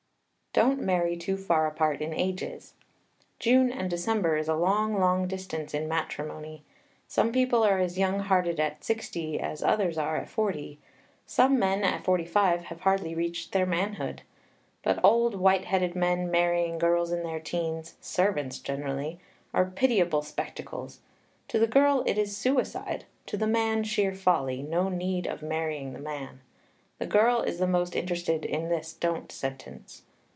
Don't marry too far apart in ages. June and December is a long, long distance in matrimony. Some people are as young hearted at sixty as others are at forty. Some men at forty five have hardly reached their manhood. But old, white headed men, marrying girls in their teens servants generally are pitiable spectacles. To the girl it is suicide; to the man sheer folly; no need of marrying the man. The girl is the most interested in this don't sentence.